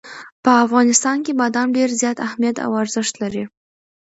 په افغانستان کې بادام ډېر زیات اهمیت او ارزښت لري.